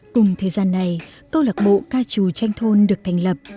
cùng thời gian này câu lạc bộ ca trù tranh thôn được thành lập